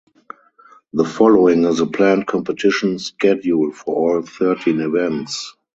The following is the planned competition schedule for all thirteen events.